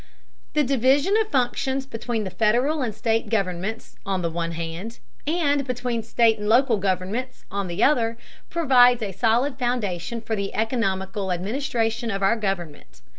The division of functions between the Federal and state governments on the one hand, and between state and local governments on the other, provides a solid foundation for the economical administration of government.